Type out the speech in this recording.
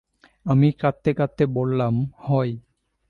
আমি কাঁদতে কাঁদতে বললাম, হয়।